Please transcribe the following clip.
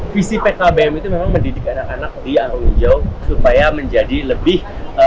visi pkbm itu memang mendidik anak anak di arung jo supaya menjadi lebih